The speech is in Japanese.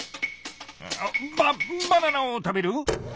ババナナを食べる？